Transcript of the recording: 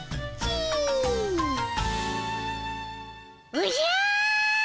おじゃ！